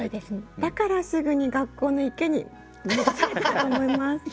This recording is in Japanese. だからすぐに学校の池に戻されたと思います。